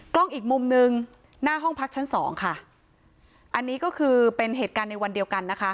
อีกมุมหนึ่งหน้าห้องพักชั้นสองค่ะอันนี้ก็คือเป็นเหตุการณ์ในวันเดียวกันนะคะ